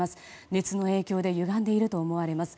熱の影響でゆがんでいると思われます。